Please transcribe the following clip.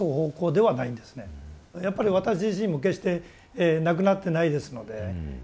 やっぱり私自身も決してなくなってないですので。